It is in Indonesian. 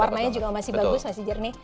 warnanya juga masih bagus masih jernih